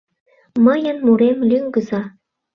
Мыйын мурем лӱҥгыза.